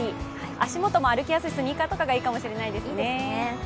足元も歩きやすいスニーカーとかがいいかもしれませんね。